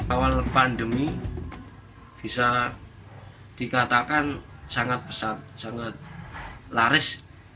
awal pandemi bisa dikatakan sangat pesat sangat laris